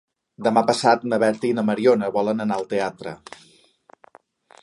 Demà passat na Berta i na Mariona volen anar al teatre.